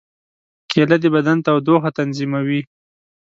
کېله د بدن تودوخه تنظیموي.